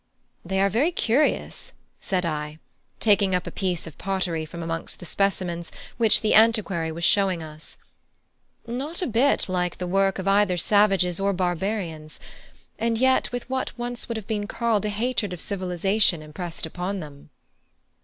"They are very curious," said I, taking up a piece of pottery from amongst the specimens which the antiquary was showing us; "not a bit like the work of either savages or barbarians, and yet with what would once have been called a hatred of civilisation impressed upon them."